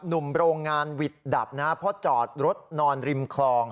หนุ่มโรงงานหวิดดับนะครับเพราะจอดรถนอนริมคลอง